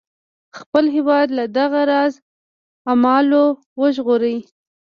خپل هیواد له دغه راز اعمالو وژغوري.